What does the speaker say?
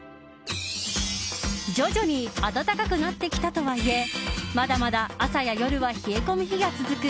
徐々に暖かくなってきたとはいえまだまだ朝や夜は冷え込む日が続く